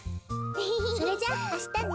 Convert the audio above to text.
それじゃあしたね！